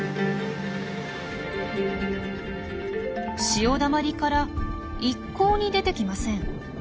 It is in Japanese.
潮だまりから一向に出てきません。